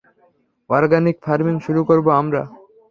Organic farming শুরু করব আমরা।